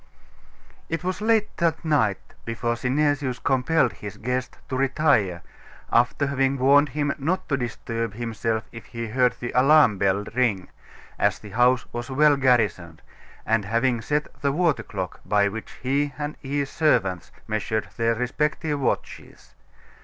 It was late that night before Synesius compelled his guest to retire, after having warned him not to disturb himself if he heard the alarm bell ring, as the house was well garrisoned, and having set the water clock by which he and his servants measured their respective watches.